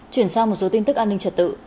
chuyển sang một số tin tức an ninh trật tự